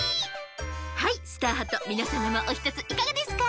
はいスターハットみなさまもおひとついかがですか？